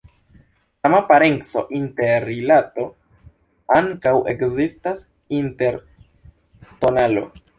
Sama parenco-interrilato ankaŭ ekzistas inter tonalo.